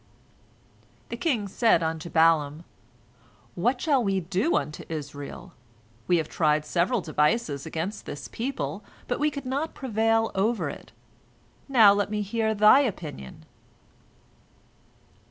The king said unto Balaam: "What shall we do unto Israel? We have tried several devices against this people, but we could not prevail over it. Now let me hear thy opinion."